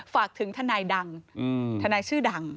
ฝากถึงทนายดังทนายชื่อดัง